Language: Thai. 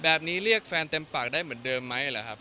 เรียกแฟนเต็มปากได้เหมือนเดิมไหมหรือครับ